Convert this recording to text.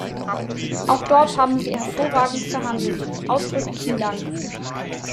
Auch dort haben Sie hervorragend verhandelt, ausdrücklichen Dank!